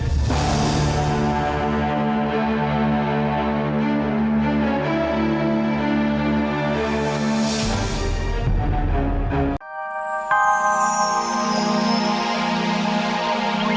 hei morgan betul bang